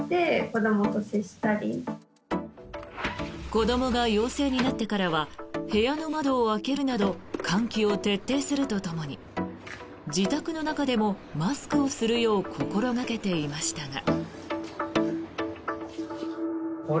子どもが陽性になってからは部屋の窓を開けるなど換気を徹底するとともに自宅の中でもマスクをするよう心掛けていましたが。